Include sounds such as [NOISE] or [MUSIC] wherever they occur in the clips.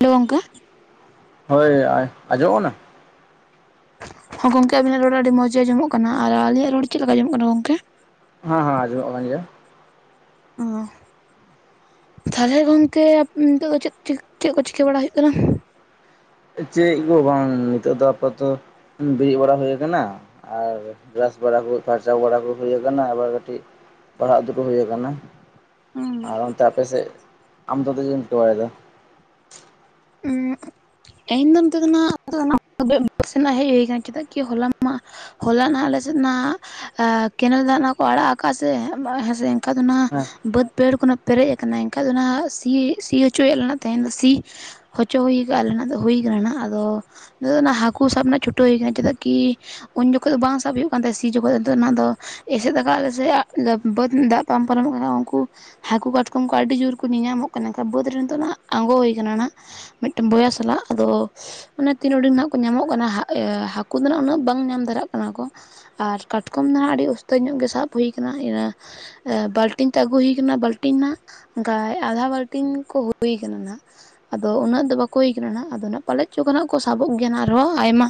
ᱞᱳ ᱚᱝᱠᱟ ᱦᱳᱭ ᱟᱡᱚᱜᱼᱟ ᱠᱟᱱᱟ ᱦᱚ ᱜᱚᱝᱠᱮ ᱟᱵᱤᱱᱟᱜ ᱨᱚᱲ ᱟᱹᱰᱤ ᱢᱚᱸᱡᱽ ᱜᱮ ᱟᱧᱡᱚᱢᱚᱜ ᱠᱟᱱᱟ ᱟᱨ ᱟᱞᱤᱧᱟᱜ ᱨᱚᱲ ᱪᱮᱫ ᱞᱮᱠᱟ ᱟᱧᱡᱚᱢᱚᱜ ᱠᱟᱱᱟ ᱜᱚᱝᱠᱮ ᱦᱚᱸ ᱦᱚᱸ ᱟᱧᱡᱚᱢᱚᱜ ᱠᱟᱱ ᱜᱮᱭᱟ ᱚᱸ ᱛᱟᱦᱚᱞᱮ ᱜᱚᱝᱠᱮ ᱱᱤᱛᱚᱜ ᱫᱚ ᱪᱮᱫ ᱪᱮᱫ ᱠᱚ ᱪᱤᱠᱟᱹ ᱵᱟᱲᱟ ᱦᱩᱭᱩᱜ ᱠᱟᱱᱟ ᱪᱮᱫ ᱜᱮ ᱵᱟᱝ ᱱᱤᱛᱚᱜ ᱫᱚ ᱟᱯᱟᱛᱚ ᱵᱮᱨᱮᱫ ᱵᱟᱲᱟ ᱦᱩᱭ ᱠᱟᱱᱟ ᱟᱨ ᱵᱨᱟᱥ ᱵᱟᱲᱟ ᱠᱚ ᱯᱷᱟᱨᱪᱟ ᱵᱟᱲᱟ ᱠᱚ ᱦᱩᱭ ᱠᱟᱱᱟ ᱟᱵᱟᱨ ᱠᱟᱹᱴᱤᱡ ᱯᱟᱲᱦᱟᱜ ᱫᱩᱲᱵᱽ ᱦᱩᱭ ᱠᱟᱱᱟ ᱟᱨ ᱩᱸ ᱚᱱᱛᱮ ᱟᱯᱮᱥᱮᱫ ᱟᱢ ᱫᱚ ᱪᱮᱫ ᱮᱢ [UNINTELLIGIBLE] ᱵᱟᱲᱟᱭᱮᱫᱟ ᱤᱧ ᱫᱚ ᱱᱚᱛᱮ ᱫᱚ ᱱᱟᱦᱟᱜ ᱦᱮᱡ ᱦᱩᱭ ᱠᱟᱱᱟ ᱪᱮᱫᱟᱜ ᱠᱤ ᱦᱚᱞᱟ ᱢᱟ ᱦᱚᱞᱟ ᱱᱟᱜ ᱟᱞᱮᱥᱮᱫ ᱱᱷᱟᱜ ᱠᱮᱱᱮᱞ ᱫᱟᱜ ᱱᱟᱷᱜ ᱠᱚ ᱟᱲᱟᱜ ᱟᱠᱟᱜ-ᱟ ᱥᱮ ᱦᱮᱸᱥᱮ ᱟᱫᱚ ᱚᱱᱟ ᱦᱮᱸ ᱵᱟᱹᱫᱽ ᱵᱟᱹᱭᱦᱟᱹᱲ ᱠᱷᱚᱱᱟᱜ ᱯᱮᱨᱮᱡ ᱟᱠᱟᱱᱟ ᱮᱱᱠᱷᱟᱡ ᱫᱚ ᱚᱱᱟ ᱥᱤ ᱥᱤ ᱦᱚᱪᱚᱭᱟᱞᱮ‌ ᱱᱟᱷᱜ ᱛᱮᱦᱮᱧ ᱫᱚ ᱥᱤ ᱦᱚᱪᱚ ᱦᱩᱭ ᱠᱟᱜ-ᱟ ᱞᱮ ᱱᱟᱜ ᱫᱚ ᱦᱩᱭ ᱠᱟᱱᱟ ᱱᱟᱦᱟᱜ ᱟᱫᱚ ᱱᱤᱛᱚᱜ ᱫᱚ ᱚᱱᱟ ᱦᱟᱹᱠᱩ ᱥᱟᱵ ᱨᱮᱱᱟᱜ ᱪᱷᱩᱴᱟᱹᱣ ᱦᱩᱭ ᱠᱟᱱᱟ ᱪᱮᱫᱟᱜ ᱠᱤ ᱩᱱ ᱡᱚᱠᱷᱚᱡ ᱫᱚ ᱵᱟᱝ ᱥᱟᱵ ᱦᱩᱭᱩᱜ ᱠᱟᱱ ᱛᱟᱦᱮᱸ ᱥᱤ ᱡᱚᱠᱷᱚᱡ ᱟᱫᱚ ᱦᱤᱛᱚᱜ ᱫᱚ ᱱᱟᱦᱟᱜ ᱟᱫᱚ ᱮᱥᱮᱫ ᱠᱟᱜ ᱟᱞᱮ ᱥᱮ ᱵᱟᱹᱫᱽ ᱫᱟᱜ ᱯᱟᱨᱚᱢᱚᱜ ᱠᱟᱱᱟ ᱩᱱᱠᱩ ᱦᱟᱹᱠᱩ ᱠᱟᱴᱠᱚᱢ ᱠᱚ ᱟᱹᱰᱤ ᱡᱳᱨ ᱠᱚ ᱧᱮᱞᱧᱟᱢᱚᱜ ᱠᱟᱱᱟ ᱠᱷᱟᱱ ᱵᱟᱹᱫᱽ ᱨᱮ ᱱᱤᱛᱚᱜ ᱟᱸᱜᱚ ᱦᱳᱭ ᱠᱟᱱᱟ ᱱᱟᱷᱜ ᱢᱮᱫᱴᱟᱝ ᱵᱚᱭᱦᱟ ᱥᱟᱞᱟᱜ ᱟᱫᱚ ᱟᱱᱮ ᱛᱤᱱ ᱩᱰᱤᱝ ᱠᱚ ᱧᱟᱢᱚᱜ ᱠᱟᱱᱟ ᱦᱟᱹᱠᱩ ᱫᱚ ᱱᱟᱜ ᱩᱱᱟᱹᱜ ᱵᱟᱝ ᱧᱟᱢ ᱫᱷᱟᱨᱟᱜ ᱠᱟᱱᱟ ᱠᱚ ᱟᱨ ᱠᱟᱴᱠᱚᱢ ᱫᱚ ᱱᱟᱷᱜ ᱟᱹᱰᱤ ᱩᱥᱛᱟᱹᱭ ᱧᱚᱜ ᱜᱮ ᱥᱟᱵ ᱦᱩᱭ ᱠᱟᱱᱟ ᱤᱱᱟᱹ ᱵᱟᱞᱴᱤᱱ ᱛᱮ ᱟᱹᱜᱩ ᱦᱩᱭ ᱠᱟᱱᱟ ᱵᱟᱞᱴᱤᱱ ᱱᱟᱜ ᱚᱱᱠᱟ ᱟᱫᱷᱟ ᱵᱟᱞᱴᱤᱱ ᱠᱚ ᱦᱩᱭ ᱠᱟᱱᱟ ᱱᱟᱷᱜ ᱟᱫᱚ ᱩᱱᱟᱹᱜ ᱫᱚ ᱵᱟᱠᱚ ᱦᱩᱭ ᱠᱟᱱᱟ ᱱᱟᱜ ᱟᱫᱚ ᱱᱟᱜ ᱯᱟᱞᱮᱫ ᱪᱚ ᱱᱟᱜ ᱠᱚ ᱥᱟᱵᱚᱜ ᱜᱮᱭᱟ ᱱᱟᱜ ᱟᱨᱦᱚᱸ ᱟᱭᱢᱟ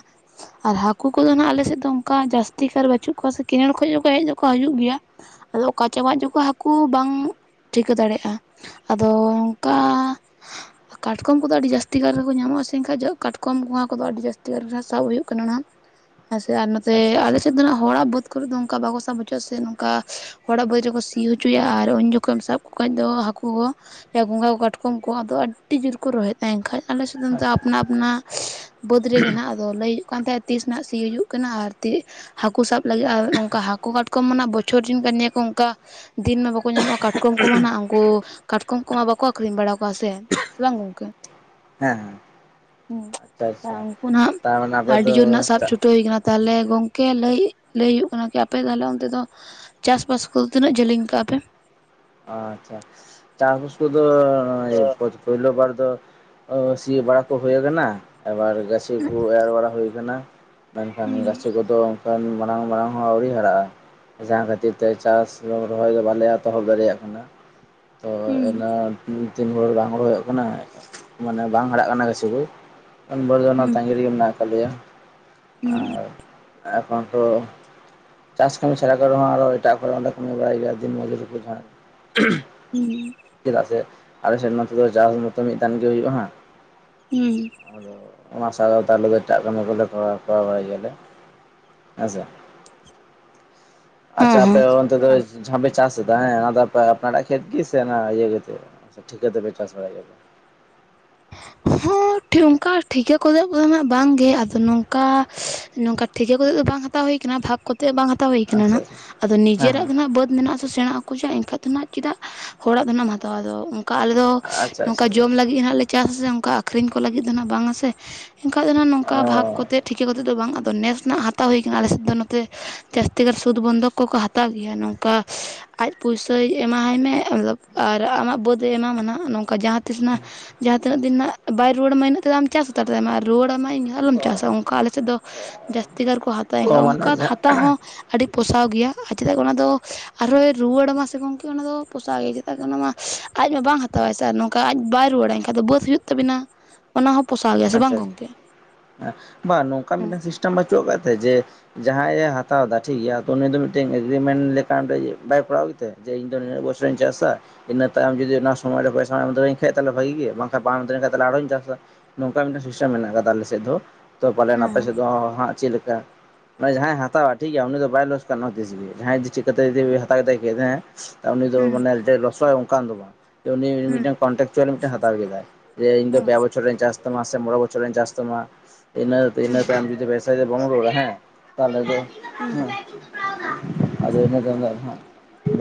ᱟᱨ ᱦᱟᱹᱠᱩ ᱠᱚᱫᱚ ᱱᱟᱜ ᱟᱞᱮ ᱥᱮᱫ ᱫᱚ ᱚᱱᱠᱟ ᱡᱟᱹᱥᱛᱤ ᱠᱟᱨ ᱵᱟᱹᱪᱩᱜ ᱠᱚᱣᱟ ᱥᱮ ᱠᱮᱱᱮᱞ ᱠᱷᱚᱡ ᱫᱚᱠᱚ ᱦᱮᱡ ᱫᱚᱠᱚ ᱦᱤᱡᱩᱜ ᱜᱮᱭᱟ ᱟᱫᱚ ᱚᱠᱟ ᱪᱟᱵᱟᱜ ᱡᱮ ᱠᱚ ᱦᱟᱹᱠᱩ ᱵᱟᱝ ᱴᱷᱤᱠᱟᱹ ᱫᱟᱲᱮᱜᱼᱟ ᱟᱫᱚ ᱚᱱᱠᱟ ᱠᱟᱴᱠᱚᱢ ᱠᱚᱫᱚ ᱟᱹᱰᱤ ᱡᱟᱹᱥᱛᱤ ᱠᱟᱨ ᱜᱮ ᱠᱚ ᱧᱟᱢᱚᱜ-ᱟ ᱥᱮ ᱮᱱᱠᱷᱟᱡ ᱠᱟᱴᱠᱚᱢ ᱜᱚᱸᱜᱟ ᱠᱚᱫᱚ ᱟᱹᱰᱤ ᱡᱟᱹᱥᱛᱤ ᱜᱟᱨ ᱨᱮ ᱥᱟᱵ ᱦᱩᱭᱩᱜ ᱠᱟᱱᱟ ᱱᱟᱦᱟᱜ ᱦᱮᱸ ᱥᱮ ᱟᱨ ᱱᱚᱛᱮ ᱟᱪᱪᱷᱟ ᱟᱪᱪᱷᱟ ᱟᱞᱮ ᱥᱮᱫ ᱫᱚ ᱱᱟᱜ ᱦᱚᱲᱟᱜ ᱵᱟᱹᱫᱽ ᱠᱚᱨᱮ ᱫᱚ ᱚᱝᱠᱟ ᱵᱟᱠᱚ ᱥᱟᱵ ᱦᱚᱪᱚᱜᱼᱟ ᱥᱮ ᱱᱚᱝᱠᱟ ᱦᱚᱲᱟᱜ ᱵᱟᱹᱫᱽ ᱨᱮᱠᱚ ᱥᱤ ᱦᱚᱪᱚᱭᱟ ᱟᱨ ᱩᱱ ᱡᱚᱠᱷᱚᱡ ᱮᱢ ᱥᱟᱵ ᱠᱚ ᱠᱷᱟᱡ ᱫᱚ ᱦᱟᱹᱠᱩ ᱦᱚᱸ ᱜᱚᱸᱜᱟ ᱠᱚ ᱠᱟᱴᱠᱚᱢ ᱠᱚ ᱟᱫᱚ ᱟᱹᱰᱤ ᱡᱳᱨ ᱠᱚ ᱨᱚᱦᱮᱫ ᱛᱟᱦᱮᱱ ᱠᱷᱟᱡ ᱟᱞᱮ ᱥᱮᱫ ᱫᱚ ᱟᱪᱪᱷᱟ ᱟᱯᱱᱟ ᱟᱯᱱᱟᱜ ᱵᱟᱹᱫᱽ ᱨᱮᱜᱮ ᱱᱟᱜ ᱟᱫᱚ ᱞᱟᱹᱭ ᱦᱩᱭᱩᱜ ᱠᱟᱱ ᱛᱟᱦᱮᱸᱡ ᱛᱤᱥ ᱱᱟᱜ ᱥᱤ ᱦᱩᱭᱩᱜ ᱠᱟᱱᱟ ᱟᱨ ᱦᱟᱹᱠᱩ ᱥᱟᱵ ᱞᱟᱹᱜᱤᱫ ᱟᱨ ᱚᱱᱠᱟ ᱦᱟᱹᱠᱩ ᱠᱟᱴᱠᱚᱢ ᱢᱟ ᱱᱟᱜ ᱵᱚᱪᱷᱚᱨ ᱨᱮᱱ ᱠᱟᱱ ᱜᱮᱭᱟ ᱠᱚ ᱚᱱᱠᱟ ᱫᱤᱱ ᱢᱟ ᱵᱟᱠᱚ ᱧᱟᱢᱚᱜᱼᱟ ᱠᱟᱴᱠᱚᱢ ᱠᱚᱢᱟ ᱱᱟᱜ ᱩᱱᱠᱩ ᱠᱟᱴᱠᱚᱢ ᱠᱚᱢᱟ ᱵᱟᱠᱚ ᱟᱠᱷᱨᱤᱧ ᱵᱟᱲᱟ ᱠᱚᱣᱟ ᱥᱮ, ᱵᱟᱝ ᱜᱚᱝᱠᱮ ᱦᱮᱸ ᱦᱮᱸ ᱦᱩᱸ, ᱟᱪᱪᱷᱟ ᱟᱪᱪᱷᱟ ᱩᱱᱠᱩ ᱱᱟᱷᱜ ᱛᱟᱨᱢᱟᱱᱮ ᱟᱯᱮ ᱟᱹᱰᱤ ᱫᱚ ᱡᱳᱨ ᱱᱟᱜ ᱥᱟᱵ ᱪᱷᱩᱴᱟᱹᱣ ᱦᱩᱭᱠᱟᱱᱟ ᱛᱟᱦᱚᱞᱮ ᱜᱚᱝᱠᱮ ᱞᱟᱹᱭ ᱞᱟᱹᱭ ᱦᱩᱭᱩᱜ ᱠᱟᱱᱟ ᱠᱤ ᱟᱯᱮ ᱛᱟᱦᱚᱞᱮ ᱚᱱᱛᱮ ᱫᱚ ᱪᱟᱥᱵᱟᱥ ᱠᱚᱫᱚ ᱛᱤᱱᱟᱹᱜ ᱡᱟᱹᱞᱤᱧ ᱠᱟᱜᱼᱟ ᱯᱮ ᱟᱪᱪᱷᱟ ᱪᱟᱥᱵᱟᱥ ᱠᱚᱫᱚ ᱯᱳᱭᱞᱳ ᱵᱟᱨ ᱫᱚ ᱥᱤ ᱵᱟᱲᱟ ᱠᱚ ᱦᱩᱭ ᱠᱟᱱᱟ ᱟᱵᱟᱨ ᱜᱟᱹᱪᱷᱤ ᱠᱚ ᱮᱨ ᱵᱟᱲᱟ ᱦᱩᱭ ᱠᱟᱱᱟ ᱢᱮᱱᱠᱷᱟᱱ ᱦᱩᱸ ᱪᱟᱥᱤ ᱠᱚ ᱛᱚ ᱢᱟᱲᱟᱝ ᱢᱟᱲᱟᱝ ᱦᱚᱸ ᱟᱹᱣᱨᱤ ᱦᱟᱨᱟᱜᱼᱟ ᱡᱟᱦᱟᱸ ᱠᱷᱟᱹᱛᱤᱨ ᱛᱮ ᱪᱟᱥ ᱨᱚᱦᱚᱭ ᱫᱚ ᱵᱟᱞᱮ ᱮᱛᱚᱦᱚᱵ ᱫᱟᱲᱮᱭᱟᱜ ᱠᱟᱱᱟ, ᱛᱚ ᱦᱩᱸ ᱚᱱᱟ ᱛᱤᱱ ᱵᱷᱚᱨ ᱵᱟᱝ ᱦᱚᱲ ᱦᱩᱭᱩᱜ ᱠᱟᱱᱟ ᱢᱟᱱᱮ ᱵᱟᱝ ᱦᱟᱨᱟᱜ ᱠᱟᱱᱟ ᱵᱮᱥᱤ ᱫᱚ ᱩᱱᱵᱚᱨ ᱫᱚ ᱚᱱᱟ ᱦᱩᱸ ᱛᱟᱸᱜᱤ ᱨᱮᱜᱮ ᱢᱮᱱᱟᱜ ᱠᱟᱜ ᱞᱮᱭᱟ ᱦᱩᱸ ᱟᱨ ᱮᱠᱷᱚᱱ ᱫᱚ ᱪᱟᱥ ᱠᱟᱹᱢᱤ ᱪᱷᱟᱲᱟ ᱠᱚᱨᱮᱦᱚᱸ ᱟᱨᱚ ᱮᱴᱟᱜ ᱠᱚᱨᱮ ᱚᱸᱰᱮ ᱠᱟᱹᱢᱤ ᱵᱟᱲᱟᱭ ᱜᱮᱭᱟ ᱫᱤᱱ ᱢᱚᱡᱩᱨ ᱨᱮᱠᱚ ᱡᱟᱦᱟᱸ [UNINTELLIGIBLE] ᱦᱩᱸ ᱪᱮᱫᱟᱜ ᱥᱮ ᱟᱞᱮ ᱥᱮᱱ ᱱᱚᱛᱮ ᱫᱚ ᱪᱟᱥ ᱢᱟᱛᱚ ᱢᱤᱫ ᱫᱟᱱ ᱦᱩᱭᱩᱜᱼᱟ ᱦᱟᱸᱜ ᱦᱤᱸ ᱟᱫᱚ ᱚᱱᱟ ᱥᱟᱶ ᱛᱮ ᱟᱞᱮ ᱫᱚ ᱮᱴᱟᱜ ᱠᱟᱹᱢᱤ ᱠᱚᱞᱮ ᱠᱚᱨᱟᱣ ᱵᱟᱲᱟᱭ ᱜᱮᱭᱟᱞᱮ ᱦᱮᱸ ᱥᱮ ᱦᱮᱸ ᱟᱪᱪᱷᱟ ᱦᱮᱸ ᱟᱯᱮ ᱚᱱᱛᱮ ᱫᱚ ᱡᱟᱦᱟᱸ ᱯᱮ ᱪᱟᱥ ᱮᱫᱟ ᱦᱮᱸ ᱚᱱᱟ ᱫᱚ ᱟᱯᱱᱟᱨᱟᱜ ᱠᱷᱮᱛ ᱜᱮᱥᱮ ᱤᱭᱟᱹ ᱴᱷᱤᱠᱟᱹ ᱛᱮᱯᱮ ᱪᱟᱥ ᱵᱟᱲᱟᱭ ᱜᱮᱭᱟ ᱦᱚᱸ ᱚᱱᱠᱟ ᱴᱷᱤᱠᱟᱹ ᱠᱚᱫᱚ‌ ᱦᱟᱸᱜ ᱵᱟᱝᱜᱮ ᱟᱫᱚ ᱱᱚᱝᱠᱟ ᱱᱚᱝᱠᱟ ᱴᱷᱤᱠᱟᱹ ᱠᱚ ᱠᱟᱛᱮ ᱫᱚ ᱵᱟᱝ ᱦᱟᱛᱟᱣ ᱦᱩᱭ ᱠᱟᱱᱟ ᱵᱷᱟᱜᱽ ᱠᱚᱛᱮ ᱵᱟᱝ ᱦᱟᱛᱟᱣ ᱦᱩᱭ ᱠᱟᱱᱟ ᱟᱪᱪᱷᱟ ᱱᱟᱦᱟᱜ ᱟᱪᱪᱷᱟ ᱟᱫᱚ ᱦᱮᱸ ᱱᱤᱡᱮᱨᱟᱜ ᱦᱮᱸ ᱜᱮ ᱱᱟᱦᱱᱟᱜ ᱵᱟᱹᱫᱽ ᱢᱮᱱᱟᱜ ᱥᱮᱬᱟ ᱟᱠᱚ ᱪᱟ ᱮᱱᱠᱷᱟᱡ ᱫᱚ ᱱᱟᱜ ᱪᱮᱫᱟᱜ ᱦᱚᱲᱟᱜ ᱫᱚ ᱱᱟᱜ ᱮᱢ ᱦᱟᱛᱟᱣᱟ ᱟᱫᱚ ᱚᱱᱠᱟ ᱟᱞᱮ ᱫᱚ ᱟᱪᱪᱷᱟ ᱱᱚᱝᱠᱟ ᱟᱪᱪᱷᱟ ᱟᱪᱪᱷᱟ ᱡᱚᱢ ᱞᱟᱜᱤ ᱞᱟᱹᱜᱤᱫ ᱦᱟᱸᱜ ᱞᱮ ᱪᱟᱥ ᱟᱥᱮ ᱚᱱᱠᱟ ᱟᱹᱠᱷᱨᱤᱧ ᱠᱚ ᱞᱟᱹᱜᱤᱫ ᱫᱚ ᱦᱟᱸᱜ ᱵᱟᱝᱟ ᱥᱮ ᱮᱱᱠᱟᱡ ᱫᱚ ᱱᱚᱝᱠᱟ ᱵᱷᱟᱜᱽ ᱚ ᱠᱚ ᱠᱟᱛᱮ ᱴᱷᱤᱠᱟᱹ ᱠᱟᱛᱮᱫ ᱫᱚ ᱵᱟᱝ ᱟᱫᱚ ᱱᱮᱥ ᱱᱟᱜ ᱦᱟ [UNINTELLIGIBLE] ᱦᱟᱛᱟᱣ ᱦᱩᱭ ᱠᱟᱱᱟ ᱟᱞᱮ ᱥᱮᱫ ᱫᱚ ᱱᱚᱛᱮ ᱡᱟᱹᱥᱛᱤ ᱜᱟᱱ ᱥᱩᱫᱽ ᱵᱚᱱᱫᱷᱚᱠ ᱠᱚᱠᱚ ᱦᱟᱛᱟᱣ ᱜᱮᱭᱟ ᱱᱚᱝᱠᱟ ᱟᱡ ᱯᱩᱭᱥᱟᱹᱭ ᱮᱢᱟᱦᱟᱭ ᱢᱮ [UNINTELLIGIBLE] ᱟᱨ ᱟᱢᱟᱜ ᱵᱟᱹᱫᱮ ᱮᱢᱟᱢᱟ ᱱᱚᱝᱠᱟ ᱡᱟᱦᱟᱸ ᱛᱤᱥ ᱱᱟᱜ ᱡᱟᱦᱟᱸ ᱛᱤᱱᱟᱹᱜ ᱫᱤᱱ ᱱᱟᱜ ᱵᱟᱭ ᱨᱩᱣᱟᱹᱲ ᱟᱢᱟ ᱤᱱᱟᱹᱜ ᱛᱮᱫ ᱪᱟᱥ ᱦᱟᱛᱟᱲ ᱛᱟᱭ ᱟᱢᱟ ᱟᱨ ᱨᱩᱣᱟᱹᱲ ᱟᱢᱟᱭ ᱤᱧ ᱟᱞᱚᱢ ᱪᱟᱥᱟ ᱚᱱᱠᱟ ᱟᱞᱮ ᱥᱮᱫ ᱫᱚ ᱡᱟᱹᱥᱛᱤ ᱠᱟᱨ ᱠᱚ ᱦᱟᱛᱟᱣ ᱚ ᱮᱱᱠᱷᱟᱱ ᱢᱟᱱᱮ ᱚᱱᱠᱟ ᱡᱟᱦᱟᱸ ᱦᱟᱛ ᱦᱚᱸ ᱟᱹᱰᱤ ᱯᱚᱥᱟᱣ ᱜᱮᱭᱟ ᱟᱨ ᱪᱮᱫᱟᱜ ᱚᱱᱟ ᱫᱚ ᱟᱨᱦᱚᱸᱭ ᱨᱩᱣᱟᱹᱲ ᱟᱢᱟ ᱥᱮ ᱜᱚᱝᱠᱮ ᱚᱱᱟᱫᱚ ᱯᱚᱥᱟᱜ ᱜᱮ ᱪᱮᱫᱟᱜ ᱥᱮ ᱚᱱᱟ ᱢᱟ ᱟᱡᱢᱟ ᱵᱟᱝ ᱦᱟᱛᱟᱣᱟᱭ ᱥᱮ ᱟᱨ ᱱᱚᱝᱠᱟ ᱟᱡ ᱵᱟᱭ ᱨᱩᱣᱟᱹᱲᱟ ᱮᱱᱠᱷᱟᱱ ᱟᱫᱚ ᱫᱚ ᱵᱟᱹᱫ ᱦᱩᱭᱩᱜ ᱛᱟᱵᱤᱱᱟ ᱚᱱᱟ ᱦᱚᱸ ᱯᱚᱥᱟᱣ ᱜᱮᱭᱟ ᱥᱮ ᱵᱟᱝ ᱜᱚᱝᱠᱮ ᱦᱮᱸ ᱵᱟᱝ ᱱᱚᱝᱠᱟᱱ ᱦᱮᱸ ᱢᱤᱫᱴᱟᱝ ᱥᱤᱥᱴᱮᱢ ᱵᱟᱹᱪᱩᱜ ᱟᱠᱟᱫ ᱛᱟᱦᱮᱸᱡ ᱡᱮ ᱡᱟᱦᱟᱸ ᱟᱡᱮ ᱦᱟᱛᱟᱣ ᱮᱫᱟ ᱴᱷᱤᱠᱜᱮᱭᱟ ᱩᱱᱤ ᱫᱚ ᱢᱤᱫᱴᱮᱱ ᱮᱜᱨᱤᱢᱮᱱᱴ ᱞᱮᱠᱟᱱ ᱨᱮ ᱵᱟᱭ ᱠᱚᱨᱟᱣ ᱜᱮ ᱛᱟᱭᱟ ᱡᱮ ᱤᱧ ᱫᱚ ᱱᱩᱱᱟᱜ ᱵᱚᱪᱷᱚᱨᱤᱧ ᱪᱟᱥᱟ ᱤᱱᱟᱹ ᱛᱟᱭᱚᱢ ᱡᱩᱫᱤ ᱚᱱᱟ ᱥᱚᱢᱚᱭ ᱨᱮ ᱯᱚᱭᱥᱟᱢ ᱮᱢ ᱫᱟᱲᱮ ᱠᱷᱟᱡ ᱵᱷᱟᱹᱜᱤ ᱜᱮ ᱵᱟᱝᱠᱷᱟᱱ ᱵᱟᱢ ᱮᱢ ᱫᱟᱲᱮ ᱠᱷᱟᱡ ᱟᱨᱦᱚᱸᱧ ᱪᱟᱥᱟ ᱱᱚᱝᱠᱟ ᱢᱤᱫᱴᱮᱱ ᱥᱤᱥᱴᱮᱢ ᱢᱮᱱᱟᱜ ᱟᱠᱟᱫᱟ ᱟᱞᱮ ᱥᱮᱫ ᱫᱚ ᱛᱚ ᱯᱟᱞᱮᱱ ᱟᱯᱮ ᱦᱮᱸ ᱥᱮᱫ ᱫᱚ ᱦᱟᱸᱜ ᱪᱮᱫ ᱞᱮᱠᱟ ᱢᱟᱱᱮ ᱡᱟᱦᱟᱸᱭ ᱦᱟᱛᱟᱣᱟ ᱴᱷᱤᱠ ᱜᱮᱭᱟ, ᱩᱱᱤ ᱫᱚ ᱵᱟᱭ ᱞᱚᱥᱠᱟᱱᱚᱼᱟ ᱛᱤᱥ ᱜᱮ ᱡᱟᱦᱟᱸᱭ ᱡᱮ ᱪᱮᱠ ᱠᱟᱛᱮ ᱡᱮᱵᱮ ᱦᱟᱛᱟᱣ ᱠᱟᱛᱮ ᱠᱮᱫᱟᱦᱟ ᱠᱟᱜ ᱩᱱᱤ ᱡᱮ ᱦᱮᱸ ᱢᱟᱱᱮ ᱫᱚᱭ ᱞᱚᱥᱚᱼᱟ ᱚᱱᱠᱟᱱ ᱫᱚ ᱵᱟᱝ᱾ ᱩᱱᱤ ᱦᱮᱸ ᱢᱤᱜᱴᱟᱝ ᱠᱚᱱᱴᱮᱠ ᱪᱟᱣᱞᱤ ᱢᱤᱴᱮ ᱦᱟᱛᱟᱣ ᱠᱮᱫᱟ, ᱮ ᱤᱧ ᱫᱚ ᱯᱮ ᱵᱚᱪᱷᱚᱨᱮᱧ ᱪᱟᱥ ᱯᱮ ᱢᱟᱥᱮ ᱢᱚᱲᱮ ᱵᱚᱪᱷᱚᱨᱮᱧ ᱪᱟᱥ ᱛᱟᱢᱟ᱾ ᱤᱱᱟᱹ ᱤᱱᱟᱹ ᱛᱟᱭᱚᱢ ᱡᱩᱫᱤ ᱯᱚᱭᱥᱟ ᱵᱟᱢ ᱨᱚᱲᱟ ᱦᱮᱸ ᱛᱟᱦᱚᱞᱮ ᱫᱚ ᱦᱮᱸ ᱦᱮ ᱟᱫᱚ ᱤᱱᱟᱹ ᱛᱟᱭᱚᱢ ᱫᱚ ᱦᱟᱸᱜ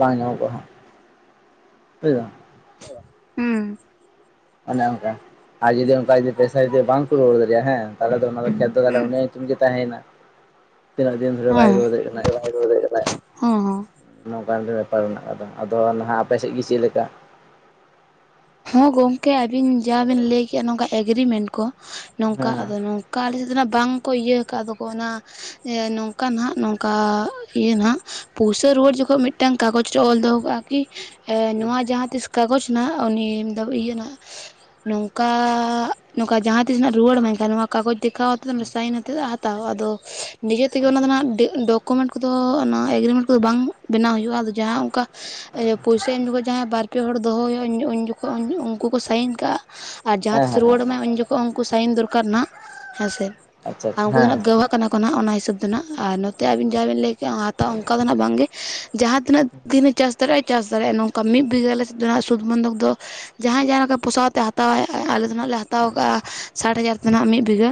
ᱵᱟᱝ ᱧᱟᱢᱚᱜᱼᱟ ᱦᱟᱸᱜ ᱵᱩᱡᱫᱟᱢ? [UNINTELLIGIBLE] ᱩᱸ᱾ ᱚᱱᱮ ᱚᱱᱠᱟ, ᱟᱨ ᱡᱩᱫᱤ ᱚᱱᱠᱟ ᱡᱤ ᱯᱚᱭᱥᱟ ᱡᱩᱫᱤ ᱵᱟᱝᱠᱚ ᱠᱩᱲᱟᱹᱣ ᱞᱮᱫᱮᱭ ᱦᱮᱸ ᱛᱟᱦᱚᱞᱮ ᱫᱚ ᱚᱱᱟ ᱫᱚ ᱠᱷᱮᱛ ᱫᱚ ᱛᱟᱦᱚᱞᱮ ᱦᱮᱸ ᱩᱱᱤ ᱛᱩᱢ ᱜᱮ ᱛᱟᱸᱦᱮᱭᱱᱟ ᱛᱤᱱᱟᱹᱜ ᱫᱤᱱ ᱫᱷᱚᱨᱮ ᱦᱮᱸ ᱵᱟᱭ ᱨᱩᱣᱟᱹᱲ ᱫᱟᱲᱮᱜ ᱠᱟᱱᱟᱭ? ᱦᱮᱸ ᱱᱚᱝᱠᱟ ᱢᱤᱴᱮ ᱵᱮᱯᱟᱨ ᱢᱮᱱᱟᱜ ᱟᱠᱟᱫᱟ, ᱟᱫᱚ ᱱᱟᱦᱟᱜ ᱟᱯᱮᱥᱮᱜ ᱜᱤ ᱪᱤᱜ ᱞᱮᱠᱟ? ᱦᱚᱸ ᱜᱚᱝᱠᱮ ᱟᱹᱵᱤᱱ ᱡᱟ ᱵᱤᱱ ᱞᱟᱹᱭᱠᱮᱜᱼᱟ ᱱᱚᱝᱠᱟ ᱮᱜᱽᱨᱤᱢᱮᱱᱴ ᱠᱚ ᱱᱚᱝᱠᱟ ᱦᱮᱸ ᱦᱮᱸ ᱟᱫᱚ ᱱᱚᱝᱠᱟ ᱟᱞᱮ ᱥᱮᱫᱱᱟᱜ ᱵᱟᱝ ᱠᱚ ᱤᱭᱟᱹ ᱠᱟᱜᱼᱟᱫᱚ ᱠᱚ ᱚᱱᱟ ᱮ ᱱᱚᱝᱠᱟᱱ ᱦᱟᱸᱜ ᱱᱚᱝᱠᱟ ᱤᱭᱟᱹ ᱱᱟᱸᱜ ᱯᱩᱭᱥᱟᱹ ᱨᱩᱣᱟᱹᱲ ᱡᱚᱠᱷᱚᱱ ᱢᱤᱫᱴᱟᱝ ᱠᱟᱜᱚᱡᱽ ᱨᱮ ᱚᱞ ᱫᱚᱦᱚ ᱠᱟᱜᱼᱟ ᱠᱤ ᱮ ᱱᱚᱣᱟ ᱡᱟᱦᱟᱸ ᱛᱤᱥ ᱠᱟᱜᱚᱡᱽ ᱱᱟᱜ ᱩᱱᱤ ᱤᱭᱟᱹ ᱱᱟᱜ ᱱᱚᱝᱠᱟ ᱱᱚᱝᱠᱟ ᱡᱟᱦᱟᱸ ᱛᱤᱥᱱᱟᱜ ᱨᱩᱣᱟᱹᱲ ᱢᱮᱱᱠᱷᱟᱱ ᱱᱚᱣᱟ ᱠᱟᱜᱚᱡ ᱫᱮᱠᱷᱟᱣ ᱛᱚ ᱫᱚ ᱱᱮᱥᱟᱭ ᱱᱟᱛᱮᱫ ᱟ ᱦᱟᱛᱟᱣ ᱟᱫᱚ ᱱᱤᱡᱮ ᱛᱮᱜᱮ ᱚᱱᱟ ᱟᱪᱪᱷᱟ ᱫᱚ ᱱᱟᱜ ᱰᱮ-ᱰᱚᱠ ᱰᱚᱠᱩᱢᱮᱱᱴ ᱠᱚᱫᱚ ᱮᱜᱨᱤᱢᱮᱱᱴ ᱠᱚᱫᱚ ᱵᱟᱝ ᱵᱮᱱᱟᱣᱳ ᱦᱩᱭᱩᱜᱼᱟ᱾ ᱟᱫᱚ ᱡᱟᱦᱟᱸ ᱚᱱᱠᱟ ᱯᱚᱭᱥᱟ ᱮᱢ ᱡᱚᱠᱷᱟᱡ ᱠᱚ ᱡᱟᱦᱟᱸᱭ ᱵᱟᱨ ᱯᱮ ᱦᱚᱲ ᱫᱚᱦᱚ ᱦᱩᱭᱩᱜᱼᱟ᱾ ᱩᱱ ᱡᱚᱠᱷᱚᱡ ᱩᱱᱠᱩ ᱠᱚ ᱥᱟᱭᱤᱱ ᱠᱟᱜᱼᱟ᱾ ᱟᱨ ᱡᱟᱦᱟᱸ ᱛᱤᱥᱮ ᱨᱩᱣᱟᱹᱲ ᱟᱢᱟ ᱩᱱ ᱡᱚᱠᱷᱚᱱ ᱩᱱᱠᱩ ᱥᱟᱭᱤᱱ ᱫᱚᱨᱠᱟᱨ ᱱᱟ ᱦᱮᱸᱥᱮ᱾ ᱟᱨ ᱟᱪᱪᱷᱟ ᱩᱱᱠᱩ ᱫᱚ ᱦᱮᱸ ᱱᱟᱜ [UNINTELLIGIBLE] ᱠᱟᱱᱟ ᱠᱚ᱾ ᱠᱟᱱᱟ ᱚᱱᱟ ᱦᱤᱥᱟᱹᱵᱽ ᱫᱚ ᱱᱟᱦᱟᱜ ᱟᱨ ᱱᱚᱛᱮ ᱟᱵᱤᱱ ᱡᱟᱦᱟᱸᱵᱤᱱ ᱞᱟᱹᱭ ᱠᱮᱜᱼᱟ, ᱦᱟᱛᱟᱣᱟ ᱚᱱᱠᱟ ᱫᱚ ᱱᱟᱜ ᱵᱟᱝᱜᱮ᱾ ᱡᱟᱦᱟᱸ ᱛᱤᱱᱟᱹᱜ ᱫᱤᱱᱮ ᱪᱟᱥ ᱫᱟᱲᱮᱜᱼᱟ ᱪᱟᱥ ᱫᱟᱲᱮᱜᱼᱟᱭ ᱱᱚᱝᱠᱟ ᱢᱤᱫ ᱵᱤᱜᱷᱟᱹ ᱟᱞᱮᱥᱮᱫ ᱫᱚ ᱥᱩᱫᱷᱵᱚᱱᱫᱷᱚᱠ ᱫᱚ ᱡᱟᱦᱟᱸᱭ ᱡᱟᱦᱟᱸ ᱞᱮᱠᱟ ᱯᱚᱥᱟᱣ ᱟᱛᱮᱜ ᱦᱟᱛᱟᱣᱟᱭ᱾ ᱟᱞᱮ ᱫᱚ ᱱᱟᱜ ᱞᱮ ᱦᱟᱛᱟᱣ ᱟᱠᱟᱫᱼᱟ ᱥᱟᱴ ᱦᱟᱡᱟᱨ ᱱᱟ ᱢᱤᱫ ᱵᱤᱜᱷᱟᱹ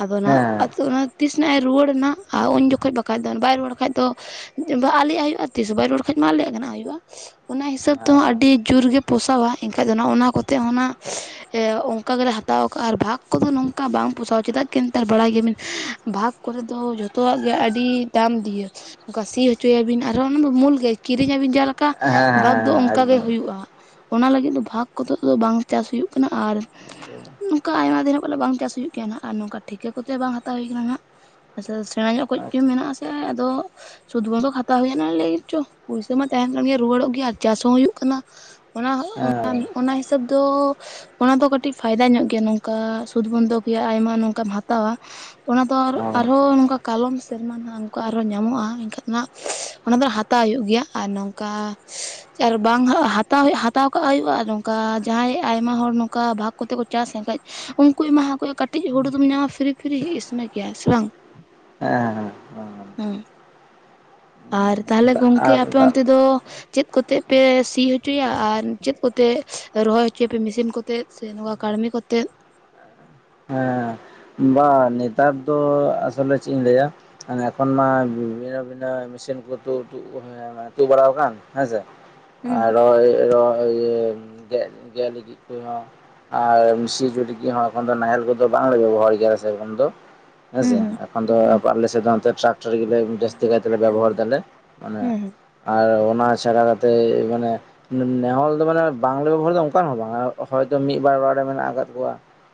ᱟᱫᱚ ᱚᱱᱟ ᱦᱮᱸ ᱦᱮᱸ ᱟᱹᱛᱩ ᱚᱱᱟ ᱛᱤᱥ ᱱᱟᱜᱼᱮ ᱨᱩᱣᱟᱹᱲᱮᱱᱟ᱾ ᱟᱨ ᱩᱱ ᱡᱚᱠᱷᱚᱡ ᱵᱟᱠᱷᱟᱡ ᱫᱚ ᱵᱟᱭ ᱨᱩᱣᱟᱹᱲ ᱠᱷᱟᱡ ᱫᱚ ᱟᱞᱮᱭᱟᱜ ᱦᱩᱭᱩᱜᱼᱟ᱾ ᱛᱤᱥ ᱦᱚᱸ ᱵᱟᱭ ᱨᱩᱣᱟᱹᱲ ᱠᱷᱟᱡ ᱢᱟ ᱟᱞᱮᱭᱟᱜ ᱜᱮ ᱦᱟᱸᱜ ᱦᱩᱭᱩᱜᱼᱟ᱾ ᱚᱱᱟ ᱦᱤᱥᱟᱹᱵ ᱟᱪᱪᱷᱟ ᱛᱮᱦᱚᱸ ᱟᱹᱰᱤ ᱡᱳᱨ ᱜᱮ ᱯᱳᱥᱟᱣᱟ ᱮᱱᱠᱷᱟᱡ ᱫᱚ ᱱᱚᱜᱼᱚ ᱱᱚᱣᱟ ᱠᱚᱛᱮ ᱦᱚᱸ ᱚᱱᱟ ᱚᱱᱠᱟ ᱜᱮᱞᱮ ᱦᱟᱛᱟᱣ ᱠᱟᱜᱼᱟ᱾ ᱟᱨ ᱵᱷᱟᱜᱽ ᱠᱚᱫᱚ ᱱᱚᱝᱠᱟ ᱵᱟᱝ ᱯᱳᱥᱟᱣᱟ ᱪᱮᱫᱟᱜ ᱠᱤ ᱱᱮᱛᱟᱨ ᱵᱟᱲᱟᱭ ᱜᱮᱭᱟᱵᱤᱱ ᱵᱷᱟᱜᱽ ᱠᱚᱨᱮ ᱫᱚ ᱡᱚᱛᱚᱣᱟᱜ ᱜᱮ ᱟᱹᱰᱤ ᱫᱟᱢ ᱫᱤᱭᱮ ᱚᱸᱠᱟ ᱥᱤ ᱦᱚᱪᱚᱭᱟᱵᱤᱱ ᱟᱨᱦᱚᱸ ᱚᱱᱟ ᱫᱚ ᱢᱩᱞ ᱜᱮ ᱠᱤᱨᱤᱧᱟᱵᱤᱱ ᱡᱟᱦᱟ ᱞᱮᱠᱟ ᱟᱪᱪᱷᱟ ᱦᱮᱸ ᱦᱮᱸ ᱦᱮᱸ ᱦᱮᱸ ᱦᱮᱸ ᱦᱮᱸ ᱦᱮᱸ ᱵᱷᱟᱜᱽ ᱫᱚ ᱦᱮᱸ ᱚᱱᱠᱟ ᱜᱮ ᱮᱠᱫᱚᱢ ᱦᱩᱭᱩᱜᱼᱟ᱾ ᱚᱱᱟ ᱞᱟᱹᱜᱤᱫ ᱫᱚ ᱵᱷᱟᱜᱽ ᱠᱚᱫᱚ ᱫᱚ ᱵᱟᱝ ᱪᱟᱥ ᱦᱩᱭᱩᱜ ᱠᱟᱱᱟ᱾ ᱟᱨ ᱱᱚᱝᱠᱟ ᱟᱭᱢᱟ ᱫᱤᱱ ᱵᱚᱞᱮ ᱵᱟᱝ ᱪᱟᱥ ᱦᱩᱭᱩᱜ ᱜᱮᱭᱟ ᱦᱟᱸᱜ᱾ ᱟᱨ ᱱᱚᱝᱠᱟ ᱴᱷᱤᱠᱟᱹ ᱠᱚᱛᱮ ᱵᱟᱝ ᱦᱟᱛᱟᱣ ᱦᱩᱭ ᱠᱟᱱᱟ ᱦᱟᱸᱜ᱾ ᱟᱪᱪᱷᱟ ᱥᱮᱬᱟ ᱧᱚᱜ ᱠᱚᱡ ᱜᱮ ᱟᱪᱪᱷᱟ ᱢᱮᱱᱟᱜ ᱟᱥᱮ ᱟᱫᱚ ᱥᱩᱫᱷ ᱵᱚᱱᱫᱚᱠ ᱦᱟᱛᱟᱣ ᱦᱩᱭᱱᱟ ᱞᱟᱹᱭ ᱪᱚ ᱯᱚᱭᱥᱟ ᱢᱟ ᱛᱟᱦᱮᱱ ᱠᱟᱱ ᱜᱮᱭᱟ ᱨᱩᱣᱟᱹᱲᱚᱜ ᱜᱮᱭᱟ ᱟᱨ ᱪᱟᱥ ᱦᱚᱸ ᱦᱩᱭᱩᱜ ᱠᱟᱱᱟ᱾ ᱚᱱᱟ ᱚᱱᱟ ᱦᱮᱸ ᱚᱱᱟ ᱦᱤᱥᱟᱹᱵ ᱫᱚ ᱚᱱᱟ ᱫᱚ ᱠᱟᱹᱴᱤᱡ ᱯᱷᱟᱭᱫᱟ ᱧᱚᱜ ᱜᱮᱭᱟ᱾ ᱱᱚᱝᱠᱟ ᱥᱩᱫ ᱵᱚᱱᱫᱚ ᱭᱟ ᱟᱭᱢᱟ ᱱᱚᱝᱠᱟᱢ ᱦᱟᱛᱟᱣᱟ ᱚᱱᱟ ᱫᱚ ᱦᱮᱸ ᱟᱨᱦᱚᱸ ᱱᱚᱝᱠᱟ ᱠᱟᱞᱚᱢ ᱥᱮᱨᱢᱟ ᱱᱚᱝᱠᱟ ᱟᱨᱦᱚᱸ ᱧᱟᱢᱚᱜᱼᱟ᱾ ᱮᱱᱠᱷᱟᱱ ᱦᱟᱸᱜ ᱚᱱᱟ ᱫᱚ ᱦᱟᱛᱟᱣ ᱦᱩᱭᱩᱜ ᱜᱮᱭᱟ᱾ ᱟᱨ ᱱᱚᱝᱠᱟ ᱟᱨ ᱵᱟᱝ ᱦᱟᱛᱟᱣ ᱦᱟᱛᱟᱣ ᱠᱟᱜ ᱦᱩᱭᱩᱜᱼᱟ᱾ ᱱᱚᱝᱠᱟ ᱡᱟᱦᱟᱸᱭ ᱟᱭᱢᱟ ᱦᱚᱲ ᱱᱚᱝᱠᱟ ᱵᱷᱟᱜᱽ ᱠᱚᱛᱮ ᱠᱚ ᱪᱟᱥᱟ ᱮᱱᱠᱷᱟᱡ ᱩᱱᱠᱩ ᱮᱢᱟᱦᱟᱠᱚ ᱦᱩᱭᱩᱜ ᱠᱟᱹᱴᱤᱡ ᱦᱩᱲᱩ ᱫᱚᱢ ᱧᱟᱢᱟ ᱯᱷᱤᱨᱤ ᱯᱷᱤᱨᱤ ᱤᱥᱢᱮ ᱠᱮᱭᱟ ᱥᱮ ᱵᱟᱝ? ᱦᱮᱸ᱾ ᱦᱮᱸ᱾ ᱟᱨ ᱛᱟᱦᱚᱞᱮ ᱫᱟᱜ ᱜᱚᱝᱠᱮ ᱟᱨ ᱟᱯᱮ ᱫᱟᱜ ᱚᱱᱛᱮ ᱫᱚ ᱪᱮᱫ ᱠᱚᱛᱮ ᱯᱮ ᱥᱤ? ᱦᱚᱪᱚᱭᱟ ᱟᱨ ᱪᱮᱫ ᱠᱚᱛᱮ ᱨᱚᱦᱚᱭ ᱦᱚᱪᱚᱭᱟᱯᱮ ᱢᱮᱥᱤᱱ ᱠᱚᱛᱮ ᱥᱮ ᱱᱚᱣᱟ ᱠᱟᱹᱲᱢᱤ ᱠᱚᱛᱮ? ᱦᱮᱸ ᱵᱟ ᱱᱮᱛᱟᱨ ᱫᱚ ᱟᱥᱚᱞᱮ ᱪᱮᱜ ᱤᱧ ᱞᱟᱹᱭᱟ ᱮᱠᱷᱚᱱ ᱢᱟ ᱵᱤᱵᱷᱤᱱᱚ ᱵᱷᱤᱱᱟᱹ ᱢᱮᱥᱤᱱ ᱠᱚ ᱛᱩᱫᱩᱜ [UNINTELLIGIBLE] ᱵᱟᱲᱟᱣ ᱠᱟᱱ ᱦᱮᱸᱥᱮ ᱦᱩᱸ [UNINTELLIGIBLE] ᱹ ᱜᱮᱫ ᱜᱮᱫ ᱞᱟᱹᱜᱤᱫ ᱠᱚᱦᱚᱸ ᱟᱨ [UNINTELLIGIBLE] ᱡᱩᱴᱤᱜ ᱦᱚᱸ ᱮᱠᱷᱚᱱ ᱫᱚ ᱱᱟᱦᱮᱞ ᱠᱚᱫᱚ ᱵᱟᱝᱞᱮ ᱵᱮᱵᱚᱦᱟᱨ ᱜᱮ᱾ ᱥᱮᱨᱚᱠᱚᱢ ᱫᱚ ᱦᱮᱸᱥᱮ ᱦᱩᱸ ᱮᱠᱷᱚᱱ ᱫᱚ ᱦᱩᱸ ᱟᱞᱮ ᱥᱮᱫ ᱴᱨᱟᱠ ᱴᱟᱠᱴᱚᱨ ᱜᱮᱞᱮ ᱡᱟᱹᱥᱛᱤ ᱠᱟᱭ ᱛᱮᱞᱮ ᱵᱮᱵᱚᱦᱟᱨ ᱫᱟᱞᱮ᱾ ᱢᱟᱱᱮ ᱦᱩᱸ ᱟᱨ ᱚᱱᱟ ᱪᱷᱟᱲᱟ ᱠᱟᱛᱮᱫ ᱢᱟᱱᱮ ᱱᱟᱦᱮᱞ ᱫᱚ ᱢᱟᱱᱮ ᱵᱟᱝᱞᱮ ᱵᱮᱵᱚᱦᱟᱨ ᱫᱚ ᱚᱱᱠᱟᱱ ᱦᱚᱸ ᱵᱟᱝ᱾ ᱦᱚᱭᱛᱳ ᱢᱤᱫᱵᱟᱨ ᱚᱲᱟᱜ ᱨᱮ ᱢᱮᱱᱟᱜ ᱟᱠᱟᱫ ᱠᱚᱣᱟ᱾